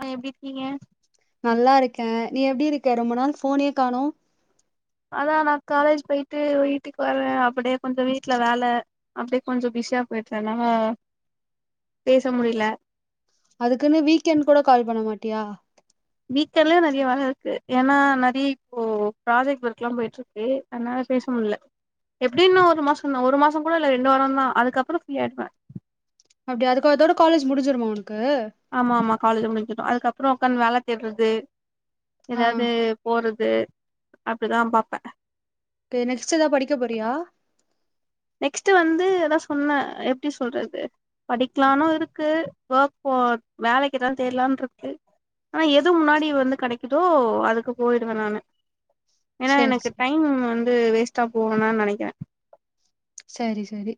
ஆ எப்டி இருக்கீங்க நல்லா இருக்கே நீ எப்டி இருக்க ரொம்ப நாள் ஃபோனே காணோ அதா நா காலேஜ் பேய்ட்டு வீட்டுக்கு வர்றே அப்டியே கொஞ்ச வீட்ல வேல அப்டியே கொஞ்சோ பிஸியா போயிடுறனால பேச முடில அதுக்குன்னு வீக்கெண்ட் கூட கால் பண்ண மாட்டியா வீக்கண்டலயே நெறய வேல இருக்கு ஏன்னா நெறைய இப்போ ப்ராஜெக்ட் ஒர்க்லாம் போயிட்டு இருக்கு அதனால பேச முடில எப்டியும் இன்னும் ஒரு மாசம் தா ஒரு மாசம் கூட இல்ல ரெண்டு வாரம் தா அதுக்கப்பறம் ஃப்ரீயா ஆயிடுவே அப்டியா அதுக்க அதோட காலேஜ் முடிஞ்சிருமா உனக்கு ஆமா ஆமா காலேஜ் முடிஞ்சுரும் அதுக்கப்பறம் ஒக்காந்து வேல தேடுறது ஆ ஏதாவது போறது அப்டிதா பாப்பே ஓகே நெக்ஸ்ட் ஏதாவது படிக்க போறியா நெக்ஸ்ட் வந்து அதா சொன்னே எப்டி சொல்றது படிக்கலானு இருக்கு ஒர்க் போ வேலைக்கு எதாவது தேடலான்னு இருக்கு ஆனா எது முன்னாடி வந்து கெடைக்குதோ அதுக்கு போயிடுவே நானு ஏனா சரி எனக்கு சரி டைம் வந்து வேஸ்டா போ வேணானு நெனைக்கிறே சரி சரி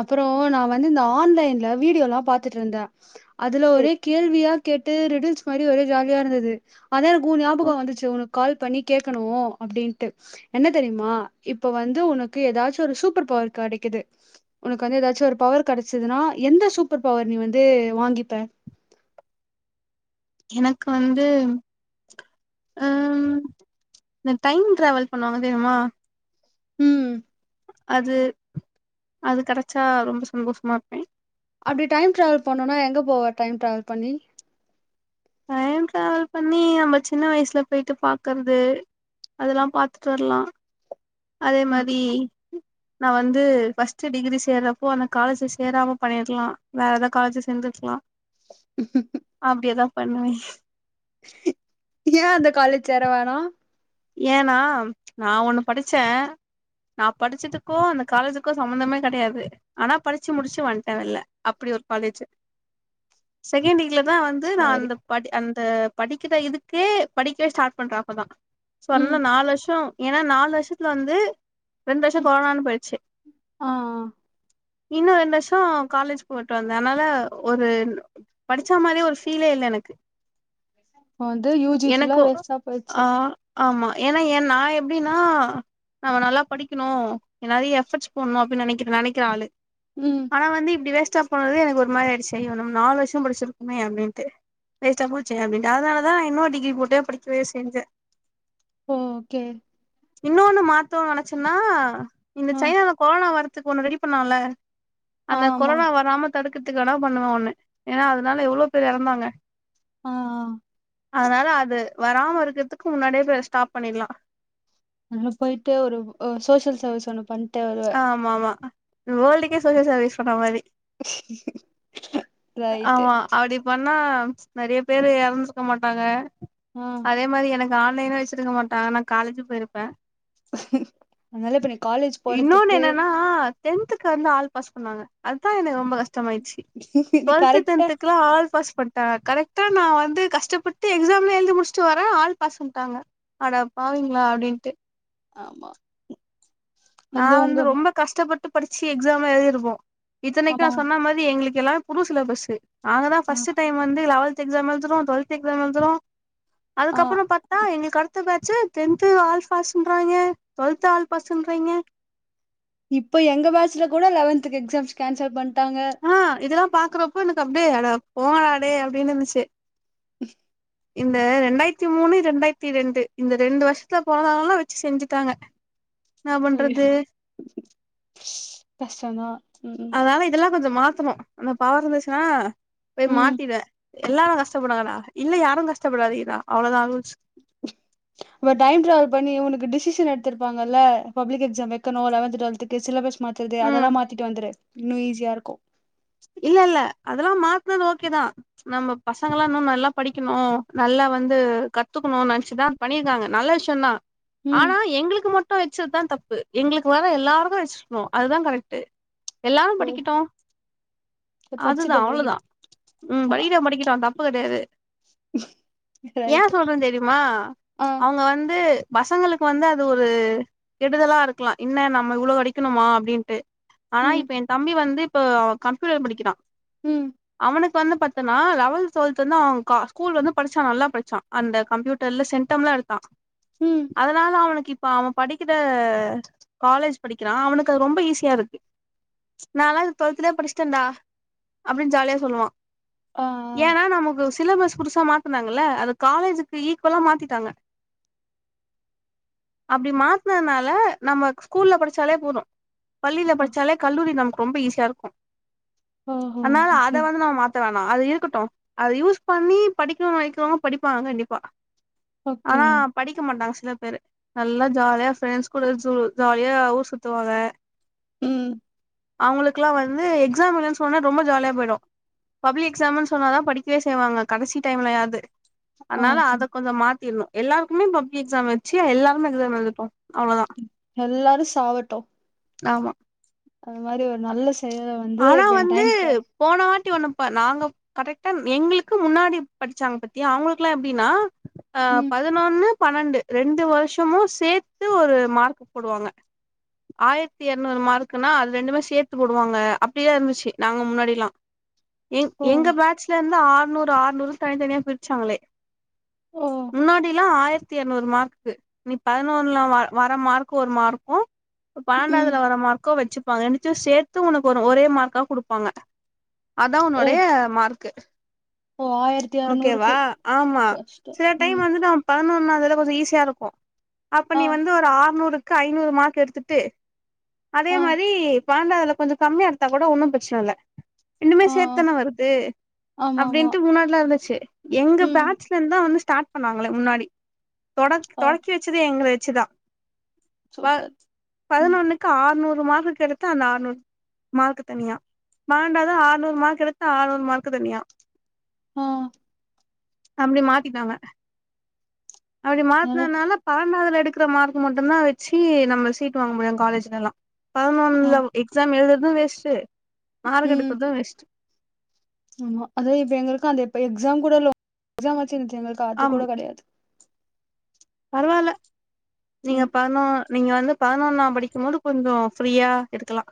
அப்றோ நா வந்து இந்த ஆன்லைன்ல வீடியோல்லா பாத்துட்டு இருந்தே அதுல ஒரே சேரி கேள்வியா கேட்டு ரிடில்ஸ் மாதிரி ஒரே ஜாலியா இருந்தது அதா எனக்கு ஒ ஞாபகம் வந்துச்சு உனக்கு கால் பண்ணி கேக்கணு அப்டின்ட்டு என்ன தெரியுமா இப்ப வந்து உனக்கு ஏதாச்சும் ஒரு சு சூப்பர் பவர் கெடைக்குது உனக்கு வந்து ஏதாச்சும் ஒரு பவர் கெடச்சதுன்னா எந்த சூப்பர் பவர் நீ வந்து வாங்கிப்ப எனக்கு வந்து ம் இந்த டைம் டிராவல் பண்ணுவாங்க தெரியுமா ம் அது அது கெடச்சா ரொம்ப சந்தோஷமா இருப்பே அப்டி டைம் ட்ராவெல் பண்ணுனா எங்க போவ டைம் டிராவல் பண்ணி டைம் டிராவல் பண்ணி நம்ம சின்ன வயசுல போயிட்டு பாக்குறது அதெல்லா பாத்துட்டு வரலா அதே அ மாரி நா வந்து ஃபர்ஸ்ட் டிகிரி சேர்றப்போ அந்த காலேஜ்ல சேராம பண்ணிருக்கலா வேற காலேஜ சேந்துருக்கலா ம் ம் அப்டி எதாவது பண்ணுவே ஏ அந்த காலேஜ் சேர வேணா ஏனா நா ஒன்னு படிச்சே நா படிச்சதுக்கோ அந்த காலேஜூக்கோ சம்பந்தமே கெடையாது ஆனா படிச்சி முடிச்சி வன்டே வெளில அப்டி ஒரு காலேஜு செகண்ட் வீக்ல தா வந்து நா சேரி அந்த படி அந்த படிக்கிற இதுக்கே படிக்கவே ஸ்டார்ட் பண்ற அப்பதா ம் சொன்ன நாலு வருஷோ ஏன்னா நாலு வருஷத்துல இருந்து ரெண்டு வருஷம் ம் கொரோனானு போயிடுச்சி ஆ ஆ இன்னு ரெண்டு வருஷோ காலேஜ் போய்ட்டு வந்தே அதனால ஒரு படிச்சா மாதிரி ஒரு ஃபீலே இல்ல எனக்கு இப்ப வந்து யூஜி ஃபுல்லா எனக்கு வேஸ்டா ஆ போயிடுச்சு ஆமா என்னா என் நா எப்டின்னா நம்ம நல்ல படிக்கணு எதாச்சி எபர்ட்ஸ் போட்ன்னு அப்டி நெனைக்க நெனைக்குற ஆளூ ம் ஆனா வந்து இப்டி வேஸ்ட்டா சும்மாவே எனக்கு ஒரு மாறி ஆய்டுச்சி அய்யோ நம்ம நாலு வருஷம் படிச்சிருக்குமே அப்டின்ட்டு வேஸ்ட்டா போச்சே அப்டின்ட்டு அதானலதா இன்னே டிகிரி போட்டே படிக்கவே செஞ்சே ஓகே இன்னோனு மாத்தோ நெனைச்சனா இந்த ஆ சைனால கொரோனா வரதுக்கு ஒன்னு ரெடி பண்ணோல்ல அந்த ஆமா கொரோனா வராமா தடுக்குறத்துக்கு எதனா பண்ணுவோன்னு ஏனா அதானல எவ்ளோ பேர் எறந்தாங்க ஆ ஆ அதனால அது வராம இருக்குறத்துக்கு முன்னாடியே போய் அத ஸ்டாப் பண்ணிர்லா அங்க போய்ட்டு ஒரு சோசியல் சர்வீஸ் ஒண்ணு பன் ஆ ஆமாமா வேர்ல்டுக்கே சோசியல் சர்வீஸ் பண்ற மாரி ரைட்டு ஆமா அப்டி பண்ணா நெறைய பேரு எறந்துர்க்க மாட்டாங்க ம் அதே மாரி எனக்கு ஆன்லைனே வச்சிருக்க மாட்டாங்க நா காலேஜ் போய்ருப்பே அதனால இப்ப நீங் காலேஜ் இன்னொன்னு போறதுக்கு என்னன்னா தென்துக்கு வந்து ஆல் பாஸ் பண்ணாங்க அதுதா எனக்கு ரொம்ப கஷ் ட்டாமாயிடுச்சு நீ டுவெல்த் கரெக்டா டென்த்துக்கலா ஆல் பாஸ் பண் தா கரெக்டா நா வந்து கஷ்டப்பட்டு எக்ஸாம் எழுதி முடிச்சுட்டு வரேன் ஆள் பாஸ்ட்டாங்க அட பாவீங்களா அப்டின்ட்டு ஆமா ம் நா வந்து ரொம்ப கஷ்டப்பட்டு படிச்சு எக்ஸாம எழுதிருக்கோ இத்தனைக்கு நா ஆமா சொன்ன மாரி ரி எங்களுக்கெல்லா புது சிலபஸு நாங்க தா ஆ ஃபர்ஸ்ட் டைம் வந்து லெவன்த் எக்ஸா எழுதுறோ டுவெல்த் எக்ஸாம் எழுதுற ஆ அதுக்கப்பறம் பத் த்தா எங்களுக்கு அடுத்த பேட்ச்சு டென்து ஆல் பாஸ் றாங்ர்கே டுவெல்த் ஆல் பாஸ்றாய்ங்கே இப்ப எங்க பேட்சல கூட லெவன்துக்கு எக்ஸாம்ஸ் கேன்சல் பண்ட்டாங்க ஆ இதெல்லா பாக்குறப்போ எனக்கு அப்டியே அட போங்கடா டே அப்டினு இருந்துச்சு ஹ இந்த ரெண்டாயிரத்தி மூணு ரெண்டாயிரத்தி ரெண்டு இந்த ரெண்டு வருஷத்துல பொறந்தவங்க எல்லா வெச்சு செஞ்சுட்டாங் [inaudible] கஷ்டோ தா ம் ம் அதனால இதெல்லா கொஞ்சோ மாத்தணு அந்த பவர் இருந்துச்சுனா போய் ம் மாத்திடுவே எல்லாரு கஷ்டப்படுங்கடா இன்னு யாரு கஷ்டப்படாதீங்கடா அவ்ளோதா ரூல்ஸ் ஒரு டைம் டிராவல் பண்ணி உனக்கு டிசிஷன் எடுத்துருப்பாங்கல்ல பப்ளிக் எக்ஸாம் வெக்கனு லெவன்த்து டுவெல்த்துக்கு சிலபஸ் மாத்துறது அதெல்லா ம் மாத்திட்டு வந்துரு இன்னு ஈஸியாருக்கு இல்லல்ல அதெல்லா மாத்துனது ஓகேதா நம்ம பசங்கள்லா இன்னு நல்லா படிக்கணு நல்லா வந்து கத்துக்கணு நெனச்சுதா பண்ணிருக்காங்க நல்ல விஷயோந்தா ம் ஆனா எங்களுக்கு மட்டு வச்சதா தப்பு எங்களுக்கு வர எல்லாருக்கு வச்சுருக்கணு அதுதா கரெக்ட்டு எல்லாரும் ஓ படிக்கட்டூ அதுதா படிச்சுட்ட அவ்ளோதா படிக்கட்டு ம் ஆமா படிகிட்டு படிக்கட்டும் தப்பு கெடயாது ஏ ரைட்டு சொல்றே தெரியுமா ஆ அவங்க வந்து பசங்களுக்கு வந்து அது ஒரு கெடுதலா இருக்கலா என்ன நம்ம இவ்ளோ படிக்கணுமா அப்டின்ட்டு ஆனா ம் இப்ப எ தம்பி வந்து இப்போ கம்ப்யூட்டர் படிக்கிறா ம் அவனுக் கு வந்து பாத்தன்னா லெவல்த் டுவல்த்து வந்து அவங் கா ஸ்கூல் வந்து படிச்சா நல்லா படிச்சா அந்த கம்ப்யூட்டர்ல சென்டம்லா எடுத்தா ம் அதனால அவனுக்கு இப்ப அவெ படிக்கித காலேஜ் படிக்கிறா அவனுக்கு அது ரொம்ப ஈஸியாருக்கு நான்லா இது டுவெல்த்துலே படிச் ச்டன்டா அப்டின்னு ஜாலியா சொல்லுவா ஆ ஏனா நமக்கு ஸ் சிலபஸ் புதுசா மாத்துனாங்கல்ல அது காலேஜுக்கு ஈக்குவலா மாத்திட்டாங்க அப்டி மாத்துனதுனால நம்மக் ஸ்கூல்ல படிச்சாலே போது பள்ளில ஆ படிச்சாலே கல்லூரி நமக்கு ரொம்ப ஈஸியா இருக்கு ஓஹோ அனால ஓகே அத வந்து நம்ம மாத் த வேணா அது இருக்கட்டு அது யூஸ் பண்ணி படிக்கனு நெனக்கிறவங்க படிப்பாங்க கண்டிப்பா ஓகே ஆனா படிக்க மாட்டாங்க சில பேரு நல்லா ஜாலியா ஃப்ரெண்ட்ஸ் கூட ஷு ஜா லியா ஊர் சுத்துவாங்க ம் அவுங்களுக்குலா வந்து எக்ஸாம் இல்லன்னு சொன்னா ரொம்ப ஜாலியா போயிடு பப்ளிக் எக்ஸாம்ன்னு சொன்னாதா படிக்கவே செய்வாங்க கடைசி டைம்லயாவ்து ஆ அனால ஓகே அத கொஞ்சோ மாத்திர்னு எல்லாருக்குமே பப்ளிக் எக்ஸாம் வச்சு எல்லாருமே எக்ஸாம் எழுதட்டு அவ்ளோதா எல்லாரு சாவட்டு ஆமா அது மாரி ஒரு நல்ல செயல வ ஆனா வந்து போன வாட்டி ஒன்னுப்ப நாங்க கரெக்டா எங்களுக்கு முன்னாடி படிச்சாங்க பத்தியா அவங்களுக்குல்லா எப்டின்னா ஆ ம் ப துனொன்னு பன்னெண்டு ரெண்டு வருஷமு சேத்து ஒரு மார்க்கு போடுவாங்க ஆயிரத்தி எரநூறு மார்க்குனா அது ரெண்டுமே சேத்து போடுவாங்க அப்டிதா இருந்துச்சு நாங்க முன்னாடிலா எங் ஓ எங்க பேட்ச்ல இரு ந்து ஆற்நூறு ஆற்நூறு தனித்தனியா பிரிச்சாங்களே ஓ முன்னாடில்லா ஆயிரத் த்தி எரநூறு மார்க்கு நீ பதினொன்னுல வ வர மார்க்கு ஒரு மார்க்கு ப்ப ம் பன்னெண்டாவ்துல வர மார்க்கு வச்சுப்பாங்க ரெண்டத்தையு சேத்து ஒனக்கு ஒரு ஒரே மார்க்கா குடுப்பாங்க அதா உன்னுடைய மார்க்கு ஓ ஆயிரத்தி அறநூறுக்கு ஓகேவா ஆமா கஷ்டோ சில டைம் ம் வந்து நம் பதினொன்னாவதுல கொஞ்ச ஈஸியா இருக்கு அப்ப நீ ஆ வந்து ஒரு ஆற்நூறுக்கு ஐநூறு மார்க் எடுத்துட்டு அதே ஆ மாரி பன்னெண்டாவதுல கொஞ்ச கம்மியா எடுத்தா கூட ஒன்னும் ப்ரச்சன இல்ல ரெண்டுமே ஆ சேத்து தானே வருது ஆமா ஆமா அப்டின்ட்டு முன்னாட்லா இருந்துச்சு எங்க ம் ம். பேட்ச் ந்தா வந்து ஸ்டார்ட் பண்ணாங்களே முன்னாடி தொடக் ஆ தொடக்கி வச்சதே எங்கள வச்சுதா ப சூப்பர் ம் பதினொன்னுக்கு ஆற்நூறு மார்க்கு எடுத்தே அந்த ஆற்நூறு மார்க்கு தனியா பன்னெண்டாவது ஆற்நூறு மார்க் எடுத்தா ஆற்நூறு மார்க்கு தனியா ஆ அப்டி மாத்திட்டாங்க அப்டி அதனால மாத்னதுனால பன்னெண்டாவதுல எடுக்குற மார்க் மட்டுந்தா வச்சு நம்ம சீட் வாங்க முடியு காலேஜ்லெல்லா ஆ பதுனொன்ல எக்ஸாம் எழுதுறது வேஸ்ட்டு மார்க் ம் எடுக்குறது வேஸ்ட்டு ஆமா அதுவு இப்ப எங்கருக்கு அந்த இப்ப எக்ஸாம் கூட எக்ஸாம் மாச்சு இர்ந்துச்சு எங்களுக்கு அது ஆம் கூட கெடயாது பரவால்ல நீங்க ம் பதுனோன் நீங்க வந்து பதினொன்னா படிக்கும் போது கொஞ்சோ ஃப்ரீயா இருக்கலா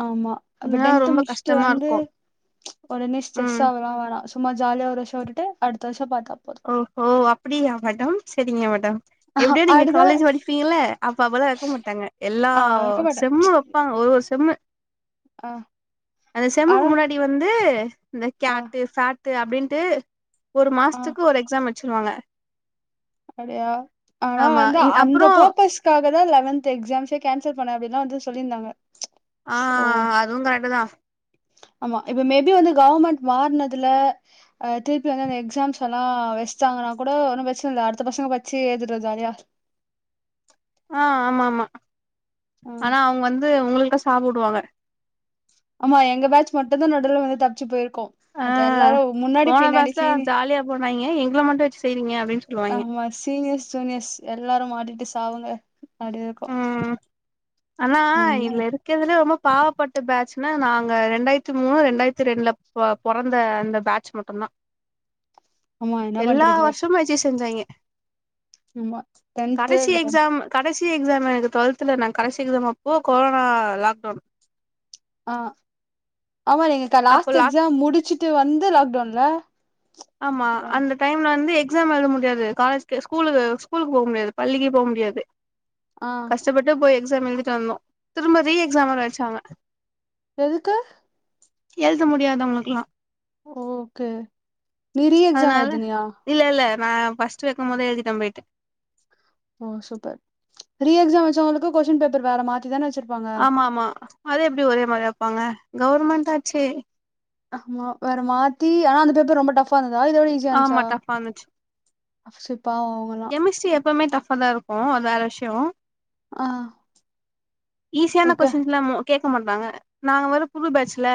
ஆமா அப்ப இல்லனா டென்த்து ரொம்ப முடிச்சுட்டு கஷ்டமா வந்து இருக்கு ஒடனே ஸ்ட்ரெஸ் ம் ஆவலா வேணா சும்மா ஜாலியா ஒரு வருசோ உட்டுட்டு அடுத்த வருஷோ பாத்தா போது ஓ ஹோ அப்டியா மேடம் செரிங்க மேடம் எப்டியோ நீங்க அடுத்த காலேஜ் படிப்பீங்கள அப்ப அப்பதா வெக்க மாட்டாங்க எல்லா ஆ வைக்க மாட்டே செம்மு ப்பாங்க ஒரு ஒரு செம்மு அ ஆனா இப்டி வந்து இந்த ஆ கேட்டு ஃபேட்டு அப்டின்டு ஒரு மா ஆ துக்கு ஒரு எக்ஸாம் வச்சுருவாங்க அப்டியா ஆனா ஆமா வந்து அந்த அப்புறோ ஃபப்பர்ஸ்க் காக தா அந்த லெவன்த் எக்ஸாம்சே கேன்சல் பண்ண அப்டிந்தா வந்து சொல்லிருந்தாங்க ஆ ஆ ஆ அதுவுங் கரெக்ட்டு தா ஆமா இப்ப மேபி வந்து கௌமெண்ட் மார்னதுல திருப்பி வந்து அந்த எக்ஸாம்ஸ்லா வெச்ட்டாங்கன்னா கூட ஒன்னு ப்ரச்சன இல்ல அடுத்த பசங்க படிச்சு எழ்தட்டு ஜாலியா ஆ ஆமா ஆமா ஆ ஆனா அவுங்க வந்து உங்கள்ட சாபோ உடுவாங்க ஆமா எங்க பேட்ச் மட்டுந்தா நடுல வந்து தப்பிச்சு போய்ருக்கோ ஆ மத்த எல்லாரு முன்னாடி போன பின்னாடி பேட்ச்ல சீனி ஜாலியா போனாய்ங்க எங்கள மட்டு வச்சு செய்றீங்க அப்டின்னு சொல்லுவாய்ங்க ஆமா சீனியஸ் ஜூனியஸ் எல்லாரு மாட்டிட்டு சாவுங்க அப்டிதா ம் ம் ஆனா ஆமா இதுல இருக் இருக்கதுலயே ரொம்ப பாவப்பட்ட பேட்ச்னா நாங்க ரெண்டாயித்தி மூணு ரெண்டாயித்தி ரெண்டுல பா பொறந்த அந்த பேட்ச் மட்டுந் தா ஆமா என்ன எல்லா பண்றது வருஷமு வச்சு செஞ்சாங்க ஆமா டென்த்து கடைசி ல எக்ஸாம் கடைசி சி எக்ஸாம் எனக்கு டுவெல்த்துல நா கடைசி எக்ஸாம் அப்போ கொரோனா லாக்டோன் ஆ ஆமா எங்களுக்கு அப்போ லாஸ்ட் லாக் எக்ஸாம் முடிச்சிட் ச்சுட்டு வந்து லாக்டோன்ல ஆமா அந்த டைம்ல வந்து எக்ஸாம் எழுத முடியாது காலேஜ்கு ஸ்கூலு ஸ்கூலுக்கு போ முடியாது பள்ளிக்கி போ முடியாது ஆ ட்ட பட்டு போய் எக்ஸாம் எழுதிட்டு வந்தோ திரும்ப ரீ எக்ஸாம் வேற வெச்சாங்க எதுக்கு எழுத முடியாத அவுங்களுக்லா ஓகே நீரி எக்ஸாம் அதனால எழுதுனியா இல்ல இல்ல நா ஃபஸ்ட் வெக்கு போதே எழுதிட்ட போய்ட்டு ஓ சூப்பர் ரீ எக்ஸாம் வச்சவங்களுக்கு கொஸ்டின் பேப்பர் வேற மாத்தி தான வச்சிரு ஆமா ஆமா அது எப்டி ஒரே மாரி வெப்பாங்க கவர்மெண்ட் ஆச்சே ஆமா வேற மாத்தி ஆனா அந்த பேப்பர் ரொம்ப டஃப் அப்பாந்ததா இதோட ஈஸியா ஆமா இருந்த்ச்சா டஃபா இருந்துச்சு அப் சோ பாவோ அவுங்கல்லா ட்டு எப்பவுமே டப்ஃபா தா இரு ஓ அத் வேற விஷ்யோ ஆ ஈஸியான ஓகே கொஷின்ஸ்லமோ கேட்க மாட்டாங்க நாங்க வேற புது பேஜ்ல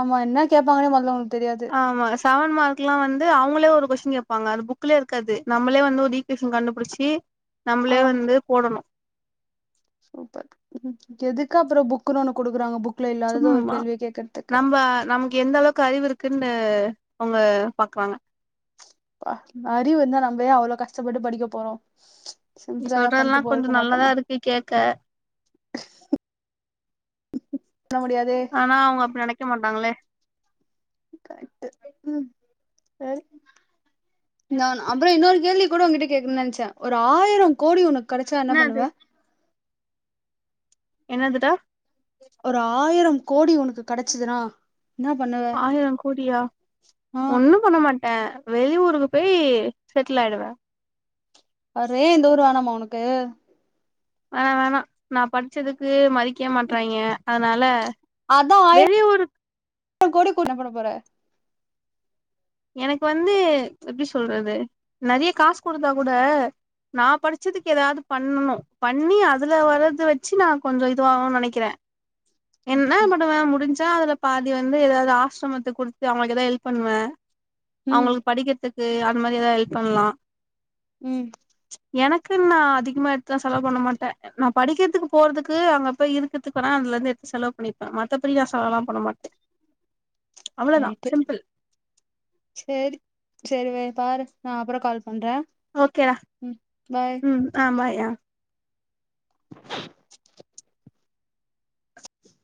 ஆமா என்ன கேடப்பாங்கன்னே மொதல்ல உங்களுக்கு தெரியாது ஆமா செவன் மார்க் எல்லா வந்து அவங்களே ஒரு கொஸ்டின் கேப்பாங்க அது புக்லே இருக்காது நம்ளே வந்தோதி டியூஷன் கண்டுபுடிச்சி ஆ நம்மளே வந்து போடனு சூப்பர் ம் எதுக் அப்பறோ புக்குன் ஒண்ணு குடுக்குறாங்க புக்ல இல்லாததோர் கேள்விய கேக்கற்துக்கு வா நமுக் எந்த அளவுக்கு அறிவு இருக்குன்னு அவுங்க பாக்குறாங்க அறிவு இருந்தா நம்ப ஏ அவ்ளோ கஷ்டப்பட்டு படிக்க போறோ நீ சிம்பிளா எதா சொல்றதெல்லா பண்ட்டு கொஞ்ச போயிருக்க நல்லதா மாட்டோமா இருக்கு கேக்க பண்ண முடியாதே ஆனா அவுங்க அப்டி நெனைக்க மாட்டாங்களே கரெட்டு ம் ச நான் அப்புற இன்னொரு கேள்வி கூட உங்கிட்ட கேக்குணுனு நினைச்சே ஒரு ஆயிரம் கோடி உனக்கு கெடச்சா என்ன என்னது பண்ணுவ என்னதுடா ஒரு ஆயிரம் கோடி உனக்கு கிடச்சிதுனா ஆயிரம் கோடியா ஆ ஒண்ணும் பண்ண மாட்டே வெளிஊருக்கு போய் செட்டில் ஆயிடுவே அறே இந்த ஊரு வேணாமா உன்க்கு ஆ வேணா நா படிச்சதுக்கு மதிக்க மாட்றாய்ங்க அதனால அதா ஆயிரோ வெளியூர் ஆயிரோ கோடி கூண்டு பண்ண போற எனக்கு வந்து எப்டி சொல்றது நெறைய காசு கொடுத்தா கூட நா படுச்சதுக்கு ஏதாவுது பண்ணனு பண்ணி அதுல வரத வச்சு நா கொஞ்சோ இதுவாகுனு நினைக்கிறே என்ன ஓகே பண்ணுவ முடிஞ்சா அதுல பாதி வந்து ஏதாவுது ஆசிரமத்துக் குடுத்து அவுங்களுக்கு ஏதாவுது ஹெல்ப் பண்ணுவே ம் அவுங்களுக்கு படிக்கறதுக்கு அது மாரி ஏதாவுது ஹெல்ப் பண்லா ம் எனக்கு ன் நாஅதிகமா எடுத்துதா செலவு பண்ண மாட்டே நா படிக்கிறதுக்கு போறதுக்கு அங்க போய் இருக்கதுக்கானா அதுல இருந்து செலவு பண்ணிப்பே மத்தபடி நா செலவுலா பண்ணமாட்டே ரைட்டு செரி செரி வே பாரு நா அப்புறோ கால் பண்றே ஓகேடா ம் பாய் ம் ஆ பாய் ஆ